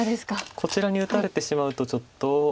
こちらに打たれてしまうとちょっと。